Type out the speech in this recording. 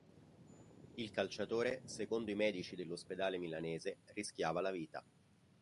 Il calciatore, secondo i medici dell'ospedale milanese, rischiava la vita.